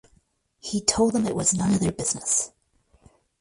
He told them it was none of their business.